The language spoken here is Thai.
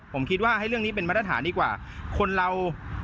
ผมคิดว่าให้เรื่องนี้เป็นมาตรฐานดีกว่าคนเรา